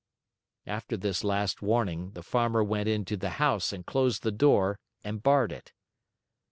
After this last warning, the Farmer went into the house and closed the door and barred it.